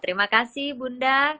terima kasih bunda